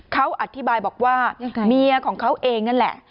เขาอธิบายบอกว่าเมียของเขาเองนั่นแหละ